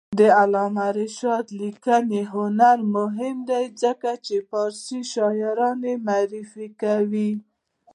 د علامه رشاد لیکنی هنر مهم دی ځکه چې فارسي شاعران معرفي کوي.